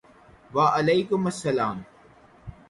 وعلیکم السلام ！